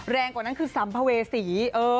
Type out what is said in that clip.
แรงกว่านั้นคือสัมภเวษี